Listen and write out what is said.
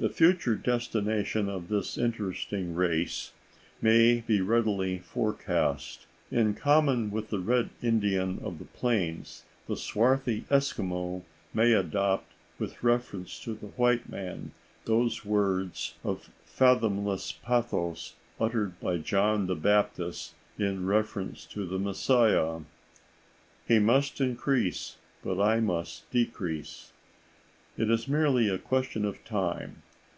The future destiny of this interesting race may be readily forecast. In common with the Red Indian of the plains, the swarthy Eskimo may adopt with reference to the white man those words of fathomless pathos uttered by John the Baptist in reference to the Messiah, "He must increase, but I must decrease." It is merely a question of time.